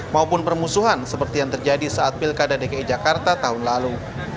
maupun permusuhan seperti yang terjadi saat pilkada dki jakarta tahun lalu